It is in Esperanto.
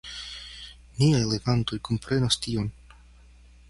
Niaj legantoj komprenos tion.